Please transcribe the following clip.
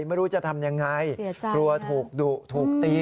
ไม่รู้จะทำยังไงกลัวถูกดุถูกตี